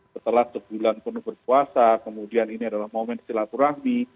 setelah sebulan penuh berpuasa kemudian ini adalah momen silaturahmi